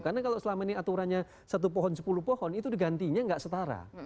karena kalau selama ini aturannya satu pohon sepuluh pohon itu digantinya nggak setara